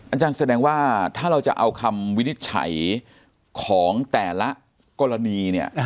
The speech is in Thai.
อาจารย์แสดงว่าถ้าเราจะเอาคำวินิจฉัยของแต่ละกรณีเนี่ย